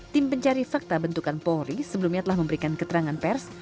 tim pencari fakta bentukan polri sebelumnya telah memberikan keterangan pers